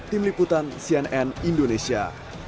tim liputan cnn indonesia